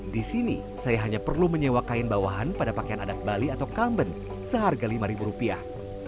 di sini saya hanya perlu menyewa kain bawahan pada pakaian adat bali atau kamben seharga lima ribu rupiah